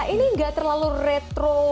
ini enggak terlalu retro